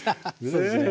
そうですね。